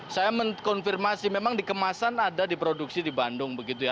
saya mengkonfirmasi memang di kemasan ada di produksi di bandung begitu ya